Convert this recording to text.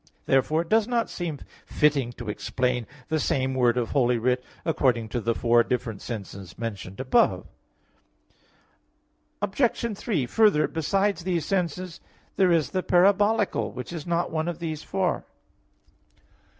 Therefore it does not seem fitting to explain the same word of Holy Writ according to the four different senses mentioned above. Obj. 3: Further, besides these senses, there is the parabolical, which is not one of these four.